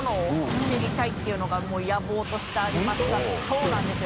そうなんですよ。